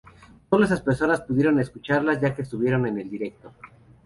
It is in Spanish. Sólo esas personas pudieron escucharlas ya que estuvieron en el directo.